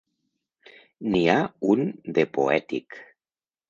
N'hi ha un de poètic.